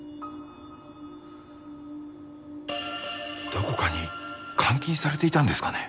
どこかに監禁されていたんですかね？